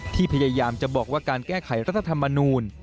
พยายามจะบอกว่าการแก้ไขรัฐธรรมนูล